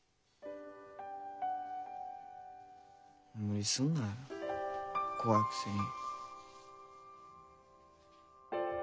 無理すんなよ怖いくせに。